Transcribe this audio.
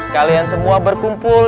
kalian semua berkumpul